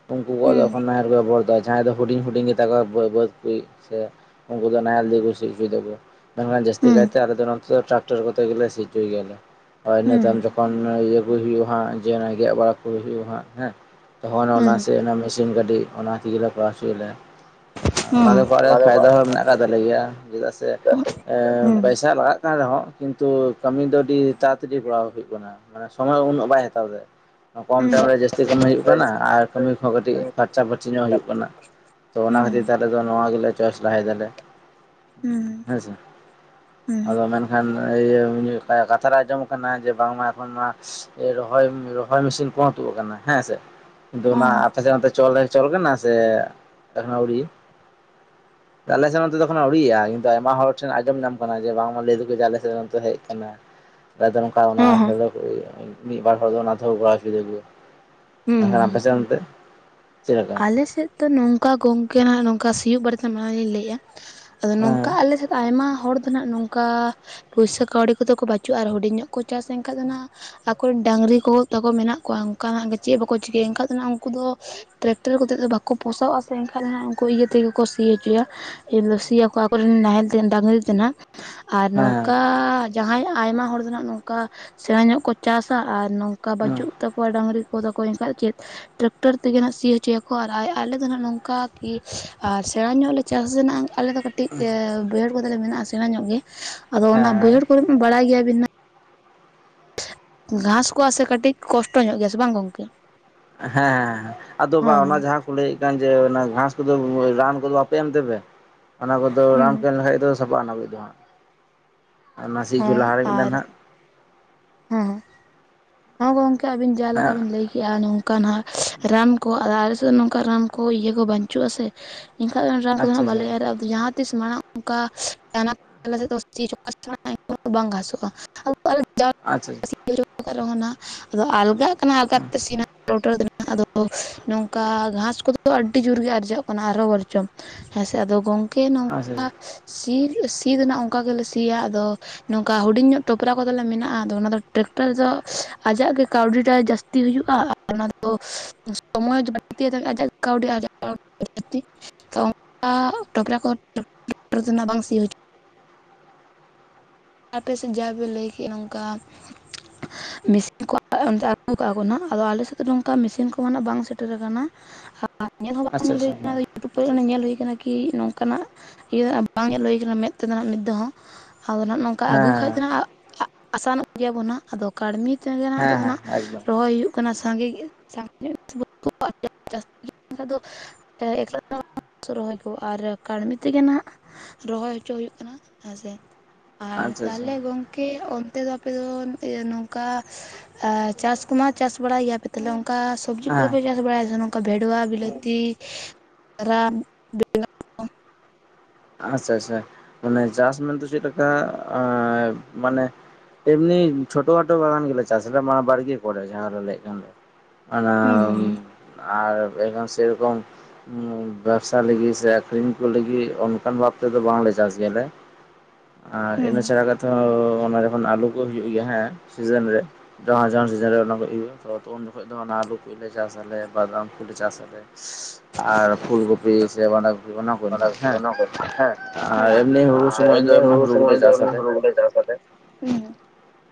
ᱩᱱᱠᱩ ᱠᱚᱣᱟᱜ ᱫᱚ ᱮᱠᱷᱚᱱ ᱦᱩᱸ ᱱᱟᱦᱮᱞ ᱠᱚ ᱵᱮᱵᱚᱦᱟᱨ ᱮᱫᱟ᱾ ᱡᱟᱦᱟᱸᱭ ᱫᱚ ᱦᱩᱰᱤᱧ ᱦᱩᱰᱤᱧ ᱜᱮᱛᱟ ᱠᱚᱣᱟ ᱵᱟᱹᱫ ᱠᱚ ᱥᱮ ᱩᱱᱠᱩ ᱫᱚ ᱱᱟᱦᱮᱞ ᱛᱮ ᱠᱚ ᱥᱤ ᱦᱚᱪᱚᱭᱮᱫᱟ ᱠᱚ᱾ ᱢᱮᱱᱠᱷᱟᱱ ᱡᱟᱹᱥᱛᱤ ᱦᱩᱸ ᱠᱟᱭᱛᱮ ᱟᱞᱮ ᱫᱚ ᱱᱚᱛᱮ ᱫᱚ ᱴᱨᱟᱠᱴᱟᱨ ᱠᱚᱛᱮ ᱜᱮᱞᱮ ᱥᱤ ᱳᱪᱳᱭ ᱜᱮᱭᱟᱞᱮ᱾ ᱟᱨ ᱦᱩᱸ ᱤᱱᱟᱹ ᱦᱩᱸ ᱛᱟᱭᱚᱢ ᱦᱩᱸ ᱡᱚᱠᱷᱚᱱ ᱤᱭᱟᱹ ᱠᱩ ᱦᱩᱭᱩᱜᱼᱟ ᱦᱟᱜ ᱡᱮ ᱜᱮᱫ ᱵᱟᱲᱟ ᱠᱚ ᱦᱩᱭᱩᱜᱼᱟ ᱦᱟᱜ ᱦᱮᱸ ᱛᱚᱠᱷᱚᱱ ᱦᱩᱸ ᱦᱩᱸ ᱚᱱᱟ ᱥᱮ ᱚᱱᱟ ᱢᱮᱥᱤᱱ ᱜᱟᱹᱰᱤ ᱚᱱᱟ ᱛᱮᱜᱮ ᱞᱮ ᱠᱚᱨᱟᱣ ᱦᱚᱪᱚᱭᱟᱞᱮ᱾ ᱚᱱᱟ ᱫᱚ ᱦᱩᱸ ᱦᱩᱸ ᱦᱩᱸ [UNINTELLIGIBLE] ᱨᱮ ᱯᱷᱟᱭᱫᱟ ᱦᱚᱸ ᱢᱮᱱᱟᱜ ᱠᱟᱜ ᱛᱟᱞᱮ ᱜᱮᱭᱟ ᱪᱮᱫᱟᱜ ᱥᱮ ᱦᱚᱸ ᱯᱚᱭᱥᱟ ᱞᱟᱜᱟᱜ ᱠᱟᱱ ᱨᱮᱦᱚᱸ ᱠᱤᱱᱛᱩ ᱠᱟᱹᱢᱤ ᱫᱚ ᱟᱹᱰᱤ ᱛᱟᱲᱟᱛᱟᱲᱤ ᱠᱚᱨᱟᱣ ᱦᱩᱭᱩᱜ ᱠᱟᱱᱟ᱾ ᱢᱟᱱᱮ ᱥᱚᱢᱚᱭ ᱩᱱᱟᱹᱜ ᱵᱟᱭ ᱦᱟᱛᱟᱣ ᱫᱟ᱾ ᱠᱚᱢ ᱴᱟᱭᱤᱢ ᱨᱮ ᱡᱟᱹᱥᱛᱤ ᱠᱟᱹᱢᱤ ᱦᱩᱭᱩᱜ ᱠᱟᱱᱟ᱾ ᱟᱨ ᱠᱟᱹᱢᱤ ᱠᱚᱦᱚᱸ ᱠᱟᱹᱴᱤᱡ ᱯᱷᱟᱨᱪᱟ ᱯᱷᱟᱹᱨᱪᱤ ᱧᱚᱜ ᱦᱩᱭᱩᱜ ᱠᱟᱱᱟ᱾ [INAUDIBLE] ᱛᱚ ᱚᱱᱟ ᱠᱷᱟᱹᱛᱤᱨ ᱛᱮ ᱟᱞᱮ ᱫᱚ ᱱᱚᱣᱟ ᱜᱮᱞᱮ ᱪᱚᱭᱮᱥ ᱞᱟᱦᱟᱭ ᱫᱟᱞᱮ᱾ ᱦᱩᱸ᱾ ᱦᱮᱸᱥᱮ᱾ ᱟᱫᱚ ᱢᱮᱱᱠᱷᱟᱱ ᱤᱭᱟᱹ ᱠᱟᱛᱷᱟᱨᱮ ᱟᱸᱡᱚᱢ ᱠᱟᱱᱟ ᱡᱮ ᱵᱟᱝᱢᱟ ᱮᱠᱷᱚᱱ ᱱᱚᱣᱟ ᱨᱚᱦᱚᱭ ᱨᱚᱦᱚᱭ ᱢᱮᱥᱤᱱ ᱠᱚᱦᱚᱸ ᱛᱩᱫ ᱟᱠᱟᱱᱟ ᱦᱮᱸᱥᱮ ᱚᱱᱟ ᱟᱯᱮᱥᱮᱫ ᱪᱚᱞ ᱨᱮ ᱪᱚᱞ ᱠᱟᱱᱟ ᱥᱮ ᱮᱠᱷᱚᱱ ᱟᱣᱨᱤ ᱟᱞᱮ ᱥᱮᱱ ᱚᱱᱛᱮ ᱫᱚ ᱮᱠᱷᱚᱱᱚ ᱟᱣᱨᱲᱤᱭᱟᱜᱼᱟ ᱠᱤᱱᱛᱩ ᱟᱭᱢᱟ ᱦᱚᱲ ᱴᱷᱮᱱ ᱟᱸᱡᱚᱢ ᱧᱟᱢ ᱟᱠᱟᱱᱟ ᱡᱮ ᱵᱟᱝᱢᱟ ᱞᱟᱹᱭ ᱫᱚ ᱟᱞᱮ ᱥᱮᱫ ᱦᱚ ᱦᱮᱡ ᱟᱠᱟᱱᱟ ᱱᱚᱝᱠᱟ ᱚᱱᱟ ᱦᱚᱸ [UNINTELLIGIBLE] ᱢᱤᱫ ᱵᱟᱨ ᱦᱚᱲ ᱫᱚ ᱚᱱᱟ ᱛᱮᱦᱚᱸ ᱠᱚᱨᱟᱣ ᱦᱚᱪᱚ ᱠᱚ [UNINTELLIGIBLE] ᱟᱯᱮ ᱥᱮᱫ ᱚᱱᱛᱮ ᱞᱮᱠᱟ ᱟᱞᱮᱥᱮᱫ ᱫᱚ ᱱᱚᱝᱠᱟ ᱜᱚᱝᱠᱮ ᱦᱟᱜ ᱱᱚᱝᱠᱟ ᱥᱤᱭᱳᱜ ᱵᱟᱨᱮᱛᱮ ᱢᱟᱲᱟᱝ ᱞᱤᱧ ᱞᱟᱹᱭᱮᱜᱼᱟ ᱟᱫᱚ ᱱᱚᱝᱠᱟ ᱦᱮᱸ ᱟᱞᱮ ᱥᱮᱫ ᱟᱭᱢᱟ ᱦᱚᱲ ᱫᱚ ᱫᱚ ᱱᱟᱜ ᱱᱚᱝᱠᱟ ᱯᱩᱭᱥᱟᱹ ᱠᱟᱹᱣᱰᱤ ᱠᱚᱛᱟ ᱠᱚ ᱵᱟᱹᱪᱩᱜᱼᱟ ᱟᱨ ᱦᱩᱰᱤᱧ ᱧᱚᱜ ᱠᱚ ᱪᱟᱥ ᱮᱱᱠᱷᱟᱡ ᱫᱚ ᱱᱟᱦᱱᱟᱜ ᱟᱠᱚ ᱨᱮᱱ ᱰᱟᱝᱨᱤ ᱠᱚ ᱛᱟᱠᱚ ᱢᱮᱱᱟᱜ ᱠᱚᱣᱟ ᱚᱱᱠᱟᱱᱟᱜ ᱜᱮ ᱪᱮᱫ ᱵᱟᱠᱚ ᱪᱤᱠᱟᱹᱭᱟ ᱮᱱᱠᱷᱟᱱ ᱫᱚ ᱩᱱᱠᱩ ᱫᱚ ᱴᱨᱟᱠᱴᱟᱨ ᱠᱚ ᱛᱮᱫ ᱫᱚ ᱵᱟᱠᱚ ᱯᱚᱥᱟᱣᱼᱟ ᱥᱮ ᱮᱱᱠᱷᱟᱡ ᱩᱱᱠᱩ ᱤᱭᱟᱹ ᱛᱮᱜᱮ ᱠᱚ ᱥᱤ ᱦᱚᱪᱚᱭᱟ ᱤᱱ ᱫᱚ ᱥᱤᱭᱟᱠᱚ ᱟᱠᱚᱨᱱ ᱱᱟᱦᱮᱞ ᱛᱮ ᱰᱟᱝᱨᱤ ᱛᱮ ᱱᱟᱦᱟᱜ ᱟᱨ ᱦᱮᱸ ᱱᱚᱝᱠᱟ ᱡᱟᱦᱟᱸᱭ ᱟᱭᱢᱟ ᱦᱚᱲ ᱫᱚ ᱱᱟᱦᱜ ᱱᱚᱝᱠᱟ ᱥᱮᱬᱟ ᱧᱚᱜ ᱠᱚ ᱪᱟᱥᱟ ᱟᱨ ᱱᱚᱝᱠᱟ ᱦᱮᱸ ᱵᱟᱹᱪᱩᱜ ᱛᱚ ᱠᱚᱭ ᱰᱟᱝᱨᱤ ᱠᱚᱫᱚ ᱠᱚ ᱮᱱᱠᱷᱟᱡ ᱪᱮᱫ ᱴᱨᱟᱠᱴᱟᱨ ᱛᱮᱜᱮ ᱦᱟᱜ ᱥᱤ ᱦᱚᱪᱚᱭᱟᱠᱚ ᱟᱭ ᱟᱨ ᱟᱞᱮᱫᱚ ᱱᱟᱦᱟᱜ ᱱᱚᱝᱠᱟ ᱠᱤ ᱟᱨ ᱥᱮᱬᱟ ᱧᱚᱜ ᱞᱮ ᱪᱟᱥᱟ ᱱᱟᱦᱟᱜ ᱟᱞᱮᱫᱚ ᱠᱟᱹᱴᱤᱡ ᱢᱤᱫᱴᱤᱡ ᱵᱟᱹᱭᱦᱟᱹᱲ ᱠᱚ ᱛᱟᱞᱮ ᱢᱮᱱᱟᱜᱼᱟ᱾ ᱥᱮᱬᱟ ᱧᱚᱜ ᱜᱮ ᱟᱫᱚ ᱚᱱᱟ ᱦᱮᱸ ᱵᱟᱹᱭᱦᱟᱹᱲ ᱠᱚᱨᱮ ᱵᱟᱲᱟᱭ ᱜᱮᱭᱟᱵᱤᱱ ᱜᱷᱟᱥ ᱠᱚᱜᱼᱟ ᱥᱮ ᱠᱟᱹᱴᱤᱡ ᱠᱚᱥᱴᱚ ᱧᱚᱜ ᱜᱮᱭᱟ ᱥᱮ ᱵᱟᱝ ᱜᱚᱝᱠᱮ ᱦᱮᱸ ᱟᱫᱚ ᱵᱟ ᱦᱚᱸ ᱚᱱᱟ ᱦᱚᱸ ᱡᱟᱦᱟᱸ ᱞᱟᱹᱭᱮᱫ ᱠᱟᱱ ᱡᱮ ᱚᱱᱟ ᱜᱷᱟᱥ ᱠᱚᱫᱚ ᱨᱟᱱ ᱠᱚᱫᱚ ᱵᱟᱯᱮ ᱮᱢᱛᱮᱯᱮ ᱚᱱᱟ ᱠᱚᱫᱚ ᱨᱟᱱ ᱠᱚ ᱦᱩᱸ ᱞᱮᱠᱷᱟᱱᱡ ᱫᱚ ᱥᱟᱯᱟᱜᱼᱟ ᱱᱟᱵᱤᱡ ᱫᱚ ᱦᱟᱸᱜ ᱟᱨ ᱱᱟ ᱥᱤ ᱪᱚ ᱦᱚᱸ ᱞᱟᱦᱟᱨᱮ ᱢᱤᱫ ᱫᱟᱱ ᱟᱨ ᱦᱟᱸᱜ ᱦᱮᱸ ᱦᱮᱸ ᱜᱚᱝᱠᱮ ᱟᱵᱤᱱ ᱡᱟ ᱞᱮᱠᱟ ᱵᱤᱱ ᱞᱟᱹᱭ ᱠᱮᱜᱼᱟ ᱚᱱᱠᱟᱱᱟᱜ ᱨᱟᱱ ᱠᱚ ᱟ ᱟᱞᱮ ᱥᱮᱫ ᱱᱚᱝᱠᱟ ᱨᱟᱱ ᱠᱚ ᱤᱭᱟᱹ ᱠᱚ ᱵᱟᱹᱱᱪᱩᱜᱼᱟ ᱥᱮ ᱮᱠᱷᱟᱱ ᱚᱱᱟ ᱨᱟᱱ ᱟᱪᱪᱷᱟ ᱠᱚᱫᱚᱦᱟᱜ ᱵᱟᱞᱮ ᱟᱪᱪᱷᱟ ᱮᱨᱟᱜᱼᱟ ᱡᱟᱦᱟᱸ ᱛᱤᱥ ᱢᱟᱲᱟᱝ ᱚᱱᱠᱟ ᱵᱟᱝ [INAUDIBLE] ᱜᱷᱟᱥᱚᱜᱼᱟ [INAUDIBLE] ᱟᱪᱪᱷᱟ [INAUDIBLE] ᱟᱫᱚ ᱟᱞᱜᱟᱜ ᱠᱟᱱᱟ ᱟᱞᱜᱟᱛᱮ ᱥᱮᱱᱟ [UNINTELLIGIBLE] ᱟᱫᱚ ᱱᱚᱝᱠᱟ ᱜᱷᱟᱥ ᱠᱚᱫᱚ ᱟᱹᱰᱤ ᱡᱳᱨᱜᱮ ᱟᱨᱡᱟᱣᱟᱜ ᱠᱟᱱᱟ ᱟᱨᱚ ᱵᱟᱨᱡᱚᱝ ᱦᱮᱸ ᱥᱮ ᱟᱫᱚ ᱜᱚᱝᱠᱮ ᱟᱪᱪᱷᱟ ᱟᱪᱪᱷᱟ ᱱᱚᱝᱠᱟ ᱥᱤ ᱥᱤ ᱫᱚ ᱱᱟᱜ ᱚᱱᱠᱟ ᱜᱮᱞᱮ ᱥᱤᱭᱟ ᱟᱫᱚ ᱱᱚᱝᱠᱟ ᱦᱩᱰᱤᱧ ᱧᱚᱜ ᱴᱚᱯᱨᱟ ᱠᱚᱫᱚᱞᱮ ᱢᱮᱱᱟᱜᱼᱟ ᱟᱫᱚ ᱚᱱᱟ ᱫᱚ ᱴᱮᱠᱴᱟᱨ ᱡᱚ ᱟᱡᱟᱜ ᱜᱮ ᱠᱟᱹᱣᱰᱤᱴᱟᱭ ᱡᱟᱹᱥᱛᱤ ᱦᱩᱭᱩᱜᱼᱟ ᱚᱱᱟ ᱫᱚ [UNINTELLIGIBLE] ᱠᱟᱹᱣᱰᱤ ᱟᱨᱡᱟᱮ ᱟᱹᱰᱤ ᱞᱟᱠᱛᱤ ᱛᱚ ᱚᱱᱠᱟ ᱴᱚᱠᱨᱟ ᱠᱚ ᱵᱟᱝ ᱥᱤ ᱦᱚᱪᱚ ᱟᱯᱮ ᱥᱮᱫ ᱡᱟ ᱵᱮ ᱞᱟᱹᱭ ᱠᱮᱫᱮᱜᱼᱟ ᱱᱚᱝᱠᱟ [INAUDIBLE] ᱢᱮᱥᱤᱱ ᱠᱚ ᱚᱱᱛᱮ ᱟᱹᱜᱩ ᱠᱟᱜ ᱠᱚ ᱱᱟᱦᱟᱜ ᱟᱫᱚ ᱟᱞᱮ ᱥᱮᱫ ᱫᱚ ᱱᱚᱝᱠᱟ ᱢᱮᱥᱤᱱ ᱠᱚ ᱱᱟᱦᱟᱜ ᱵᱟᱝ ᱥᱮᱴᱮᱨ ᱟᱠᱟᱱᱟ [INAUDIBLE] ᱟᱪᱪᱷᱟ ᱟᱪᱪᱷᱟ ᱦᱮᱸ [UNINTELLIGIBLE] ᱛᱚ ᱯᱚᱭ ᱚᱱᱮ ᱧᱮᱞ ᱦᱩᱭ ᱠᱟᱱᱟ ᱠᱤ ᱱᱚᱝᱠᱟᱱᱟᱜ ᱤᱭᱟᱹ ᱵᱟᱝ ᱧᱮᱞ ᱦᱩᱭ ᱠᱟᱱᱟ ᱢᱮᱫ ᱛᱮᱫᱚ ᱢᱤᱫ ᱫᱷᱟᱣᱦᱚᱸ ᱟᱫᱚ ᱦᱟᱜ ᱱᱚᱝ ᱚᱱᱠᱟ ᱟᱹᱜᱩ ᱠᱷᱟᱡ ᱦᱮᱸ ᱱᱟᱦᱟᱜ ᱟᱥᱟᱱᱚᱜ ᱜᱮᱭᱟᱵᱚᱱᱟ ᱟᱫᱚ ᱠᱟᱹᱲᱢᱤ ᱛᱮᱜᱮ ᱱᱟᱜ ᱦᱮᱸ ᱱᱤᱛᱚᱜ ᱫᱚ ᱦᱮᱸ ᱱᱟᱦᱟᱜ ᱮᱠᱫᱚᱢ ᱨᱚᱦᱚᱭ ᱦᱩᱭᱩᱜ ᱥᱟᱸᱜᱮ [UNINTELLIGIBLE] ᱮᱠᱞᱟ ᱨᱚᱦᱚᱭ ᱠᱚ ᱟᱨ ᱠᱟᱹᱲᱢᱤ ᱛᱮᱜᱮ ᱱᱟᱦᱟᱜ ᱨᱚᱦᱚᱭ ᱦᱚᱪᱚ ᱦᱩᱭᱩᱜ ᱠᱟᱱᱟ ᱦᱮᱸᱥᱮ ᱟᱨ ᱟᱪᱪᱷᱟ ᱟᱪᱪᱷᱟ ᱛᱟᱦᱞᱮ ᱜᱚᱝᱠᱮ ᱚᱱᱛᱮ ᱫᱚ ᱟᱯᱮ ᱫᱚ ᱚᱱᱛᱮ ᱱᱚᱝᱠᱟ ᱪᱟᱥ ᱠᱚᱢᱟ ᱪᱟᱥ ᱵᱟᱲᱟᱭ ᱜᱮᱭᱟ ᱯᱮ ᱛᱟᱦᱞᱮ ᱚᱝᱠᱟ ᱥᱚᱵᱽᱡᱤ ᱠᱚᱫᱚ ᱦᱮᱸ ᱯᱮ ᱪᱟᱥ ᱵᱟᱲᱟᱭ ᱥᱮ ᱱᱚᱝᱠᱟ ᱵᱷᱮᱰᱣᱟ ᱵᱤᱞᱟᱹᱛᱤ ᱨᱟᱱ ᱵᱮᱸᱜ ᱟᱪᱪᱷᱟ ᱟᱪᱪᱷᱟ ᱢᱟᱱᱮ ᱪᱟᱥ ᱢᱮᱱ ᱛᱮ ᱪᱮᱫᱞᱮᱠᱟ ᱢᱟᱱᱮ ᱮᱢᱱᱤ ᱪᱷᱴᱳ ᱠᱷᱟᱴᱳ ᱵᱟᱜᱟᱱ ᱜᱮᱞᱮ ᱪᱟᱥᱟ ᱮᱫᱟ ᱢᱟ ᱵᱟᱲᱜᱮ ᱠᱚᱨᱮ ᱡᱟᱦᱟᱸ ᱞᱟᱹᱭᱮᱫ ᱠᱟᱱ ᱚᱱᱟ ᱦᱩᱸ ᱦᱩᱸ ᱦᱩᱸ ᱟᱨ ᱮᱠᱷᱚᱱ ᱥᱮ ᱨᱚᱠᱚᱢ ᱵᱮᱵᱥᱟ ᱞᱟᱹᱜᱤᱫ ᱥᱮ ᱟᱠᱷᱨᱤᱧ ᱠᱚ ᱞᱟᱹᱜᱤᱫ ᱠᱟᱱ ᱵᱟᱷᱟᱵ ᱛᱮᱫᱚ ᱵᱟᱝᱞᱮ ᱪᱟᱥ ᱜᱮᱭᱟᱞᱮ ᱟᱨ ᱤᱱᱟᱹ ᱦᱩᱸ ᱪᱷᱟᱲᱟ ᱠᱟᱛᱮ ᱛᱚ ᱚᱱᱟ ᱡᱚᱠᱷᱚᱱ ᱟᱞᱩ ᱠᱚ ᱦᱩᱭᱩᱜ ᱜᱮᱭᱟ ᱦᱮᱸ ᱥᱤᱡᱟᱱ ᱨᱮ ᱡᱟᱦᱟᱸ ᱡᱟᱦᱟᱸ ᱥᱤᱡᱟᱱ ᱨᱮ ᱚᱱᱟ ᱠᱚ ᱦᱩᱭᱩᱜᱼᱟ, ᱛᱚ ᱩᱱ ᱡᱚᱠᱷᱚᱡ ᱫᱚ ᱚᱱᱟ ᱟᱹᱞᱩ ᱠᱚᱞᱮ ᱪᱟᱥ ᱟᱞᱮ ᱵᱟᱫᱟᱢ ᱠᱚᱞᱮ ᱪᱟᱥ ᱟᱞᱮ ᱾ ᱟᱨ ᱯᱷᱩᱞᱠᱚᱯᱤ ᱥᱮ ᱵᱟᱸᱫᱷᱟᱠᱚᱯᱤ ᱚᱱᱟ ᱠᱚᱨᱮ ᱱᱟᱜ ᱦᱮᱸ ᱼᱼ ᱚᱱᱟ ᱠᱚ ᱦᱮᱸ ᱟᱨ ᱫᱚ ᱮᱢᱱᱤ ᱦᱩᱲᱩ ᱜᱮᱞᱮ ᱥᱚᱢᱚᱭ ᱫᱚ ᱪᱟᱥ ᱟᱞᱮ ᱦᱩᱲᱩ ᱠᱚᱞᱮ ᱪᱟᱥ ᱟᱞᱮ ᱾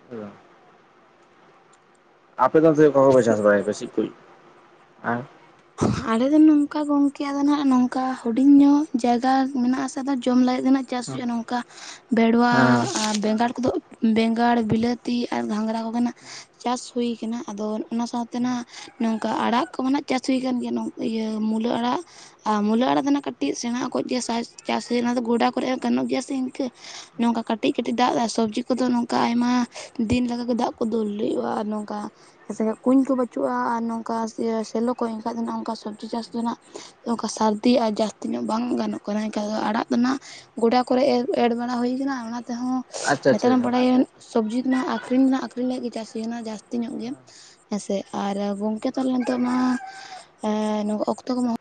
[UNINTELLIGIBLE] ᱟᱯᱮ ᱫᱚ ᱪᱮᱫ ᱠᱚᱦᱟᱸᱵᱟᱯᱮ ᱪᱟᱥ ᱵᱟᱲᱟᱭ ᱪᱤᱫ ᱠᱩᱭ [UNINTELLIGIBLE] ᱼᱼ ᱟᱞᱮ ᱫᱚ ᱱᱚᱝᱠᱟ ᱜᱚᱝᱠᱮ ᱟᱫᱚ ᱱᱟᱦᱟᱜ ᱱᱚᱝᱠᱟ ᱦᱩᱰᱤᱧ ᱧᱚᱜ ᱡᱟᱭᱜᱟ ᱢᱮᱱᱟᱜ ᱟᱥᱮ ᱡᱚᱢ ᱞᱟᱹᱜᱤᱫ ᱫᱚ ᱼ ᱪᱟᱥ ᱦᱮᱸ ᱦᱩᱭᱩᱜᱼᱟ ᱱᱚᱝᱠᱟ ᱵᱮᱲᱣᱟ ᱟ ᱵᱮᱸᱜᱟᱲ ᱠᱚᱫᱚ ᱼᱼ ᱵᱮᱸᱜᱟᱲ ᱵᱤᱞᱟᱹᱛᱤ ᱟᱨ ᱜᱷᱟᱸᱜᱽᱨᱟ ᱠᱚᱜᱮ ᱱᱟᱦᱟᱜ ᱪᱟᱥ ᱦᱩᱭ ᱠᱟᱱᱟ ᱟᱫᱚ ᱚᱱᱟ ᱥᱟᱶᱛᱮ ᱼᱼ ᱛᱮ ᱱᱚᱝᱠᱟ ᱟᱲᱟᱜ ᱠᱚᱢᱟ ᱱᱟᱦᱟᱜ ᱪᱟᱥ ᱦᱩᱭ ᱟᱠᱟᱱ ᱜᱮᱭᱟ, ᱤᱭᱟᱹ ᱢᱩᱞᱟᱹ ᱟᱲᱟᱜ ᱾ ᱟᱨ ᱢᱩᱞᱟᱹ ᱟᱲᱟᱜ ᱫᱚ ᱱᱟᱦᱟᱜ ᱠᱟᱹᱴᱤᱡ ᱥᱮᱬᱟ ᱚᱠᱚᱡ ᱜᱮᱭᱟ ᱪᱟᱥᱮ, ᱱᱚᱣᱟ ᱫᱚ ᱜᱚᱰᱟ ᱠᱚᱨᱮ ᱦᱚᱸ ᱜᱟᱱᱚᱜ ᱜᱮᱭᱟ ᱥᱮ ᱤᱱᱠᱟᱹ᱾ ᱱᱚᱝᱠᱟ ᱠᱟᱹᱴᱤᱡ ᱠᱟᱹᱴᱤᱡ ᱫᱟᱜ ᱭᱮ ᱥᱚᱵᱽᱡᱤ ᱠᱚᱫᱚ ᱱᱚᱝᱠᱟ ᱟᱭᱢᱟ ᱫᱤᱱ ᱞᱮᱠᱟᱜᱮ ᱫᱟᱜ ᱠᱚ ᱫᱩᱞ ᱦᱩᱭᱩᱜᱼᱟ ᱟᱨ ᱱᱚᱝᱠᱟ ᱦᱮᱥᱮ ᱠᱩᱧ ᱠᱚ ᱵᱟᱹᱪᱩᱜᱼᱟ ᱟᱨ ᱱᱚᱝᱠᱟ ᱥᱮᱞᱚ ᱠᱚ ᱮᱱᱠᱷᱟᱡ ᱫᱚ ᱱᱟᱜ ᱚᱝᱠᱟ ᱥᱚᱵᱽᱡᱤ ᱪᱟᱥ ᱫᱚ ᱟᱸᱜ ᱚᱱᱠᱟ ᱥᱟᱹᱨᱫᱤ ᱟᱨ ᱡᱟᱹᱥᱛᱤ ᱧᱚᱜ ᱵᱟᱝ ᱜᱟᱱᱚᱜ ᱠᱟᱱᱟ, ᱮᱱᱠᱷᱟᱱ ᱫᱚ ᱟᱲᱟᱜ ᱨᱮᱱᱟᱜᱼᱼ ᱜᱚᱰᱟ ᱠᱚᱨᱮ ᱮᱲ ᱵᱟᱲᱟ ᱦᱩᱭ ᱠᱟᱱᱟ ᱚᱱᱟ ᱛᱮᱦᱚᱸ ᱟᱪᱪᱷᱟ ᱱᱮᱛᱟᱨ ᱟᱪᱪᱷᱟ ᱟᱪᱪᱷᱟ ᱵᱟᱲᱟᱭᱟᱹᱧᱼᱼ ᱥᱚᱵᱽᱡᱤ ᱢᱟ ᱟᱠᱷᱨᱤᱧ ᱟᱠᱷᱨᱤᱧ ᱞᱟᱹᱜᱤᱫ ᱪᱟᱥ ᱦᱩᱭᱮᱱᱟ ᱡᱟᱹᱥᱛᱤ ᱧᱚᱜ ᱜᱮ ᱾ ᱦᱮᱸᱥᱮ ᱟᱨ ᱜᱚᱝᱠᱮ ᱛᱟᱦᱚᱞᱮ ᱱᱤᱛᱚᱜ ᱢᱟᱼᱼ ᱮ ᱚᱠᱛᱚ ᱠᱚ ᱢᱟᱼᱼ